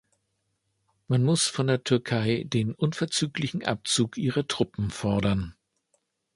Man muss von der Türkei den unverzüglichen Abzug ihrer Truppen fordern.